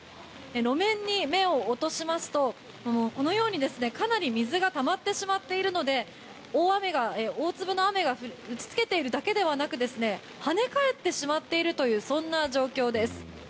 路面に目を落としますとこのようにかなり水がたまってしまっているので大粒の雨が打ちつけているだけではなく跳ね返ってしまっているというそんな状況です。